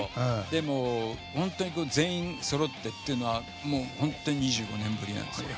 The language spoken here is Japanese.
でも、全員そろってというのは本当に２５年ぶりなんですよね。